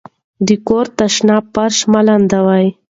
د کور تشناب فرش مه لندوئ.